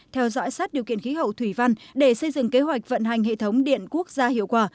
theo dõi sát điều kiện khí hậu thủy văn để xây dựng kế hoạch vận hành hệ thống điện quốc gia hiệu quả